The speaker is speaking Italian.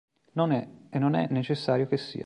Non è, e non è necessario che sia".